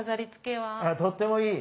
あっとってもいい。